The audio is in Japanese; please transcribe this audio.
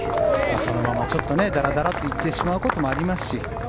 そのままだらだらと行ってしまうこともありますし。